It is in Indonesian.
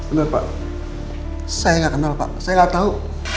enggak pak saya gak kenal pak saya gak tau